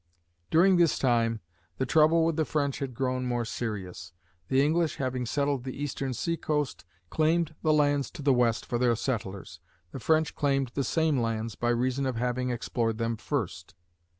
During this time, the trouble with the French had grown more serious. The English, having settled the eastern sea coast, claimed the lands to the west for their settlers. The French claimed the same lands by reason of having explored them first.